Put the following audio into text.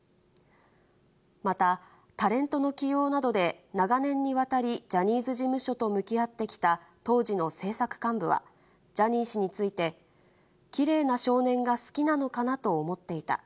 また、タレントの起用などで長年にわたり、ジャニーズ事務所と向き合ってきた当時の制作幹部は、ジャニー氏について、きれいな少年が好きなのかなと思っていた。